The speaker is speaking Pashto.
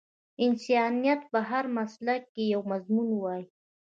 انسانيت په هر مسلک کې یو مضمون وای